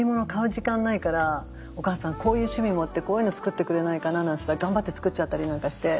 時間ないからお母さんこういう趣味もってこういうの作ってくれないかななんつったら頑張って作っちゃったりなんかして。